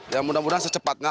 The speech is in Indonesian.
ya mudah mudahan secepatnya